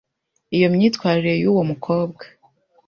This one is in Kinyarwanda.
Iyo myitwarire y’uwo mukobwa